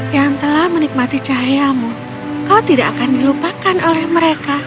yang telah menikmati cahayamu kau tidak akan dilupakan oleh mereka